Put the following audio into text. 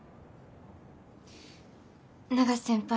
永瀬先輩